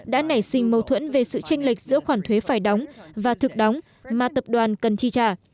đã nảy sinh mâu thuẫn về sự tranh lệch giữa khoản thuế phải đóng và thực đóng mà tập đoàn cần chi trả